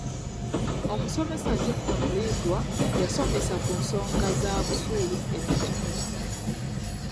Omusomesa Geofrey Mulindwa yasomesa ku nsonga za busuulu e Nakifuma.